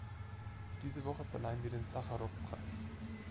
Diese Woche verleihen wir den Sacharow-Preis.